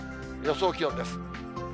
予想気温です。